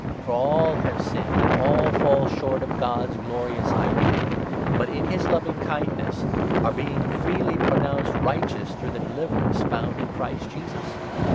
For all have sinned, and all 23 fall short of God's glorious ideal, but, in his loving kindness, 24 are being freely pronounced righteous through the deliverance found in Christ Jesus.